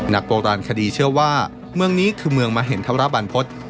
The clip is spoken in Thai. โบราณคดีเชื่อว่าเมืองนี้คือเมืองมเห็นธรบรรพฤษ